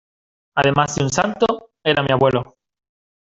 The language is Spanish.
además de un santo, era mi abuelo.